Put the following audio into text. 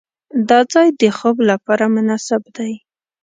دا ځای د خوب لپاره مناسب دی.